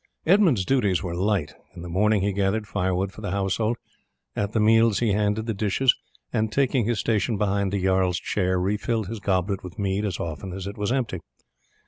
Edmund's duties were light. In the morning he gathered firewood for the household; at the meals he handed the dishes, and taking his station behind the jarl's chair, refilled his goblet with mead as often as it was empty.